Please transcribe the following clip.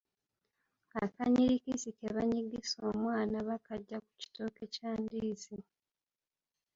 Akanyirikisi ke banyigisa omwana bakajja ku kitooke kya ndiizi.